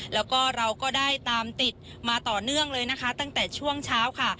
แล้วก็เราก็ได้ตามติดมาต่อเนื่องเลยนะคะตั้งแต่ช่วงเช้าค่ะ